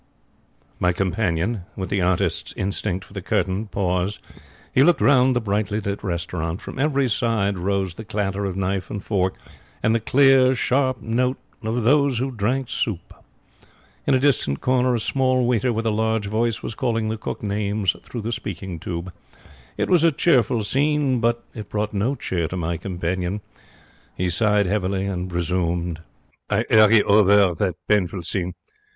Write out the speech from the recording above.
My companion, with the artist's instinct for the 'curtain', paused. He looked round the brightly lit restaurant. From every side arose the clatter of knife and fork, and the clear, sharp note of those who drank soup. In a distant corner a small waiter with a large voice was calling the cook names through the speaking tube. It was a cheerful scene, but it brought no cheer to my companion. He sighed heavily and resumed: I 'urry over that painful scene.